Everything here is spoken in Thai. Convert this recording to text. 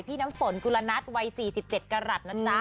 น้ำฝนกุลนัทวัย๔๗กรัฐนะจ๊ะ